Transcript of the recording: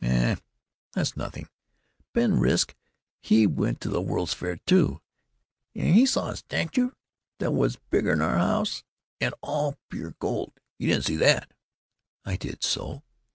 "Huh! that's nothing! Ben Rusk, he went to the World's Fair, too, and he saw a statchue that was bigger 'n our house and all pure gold. You didn't see that." "I did so!